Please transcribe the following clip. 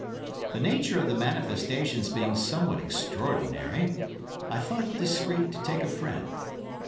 The nature of the manifestations being somewhat extraordinary, I thought it discreet to take a friend.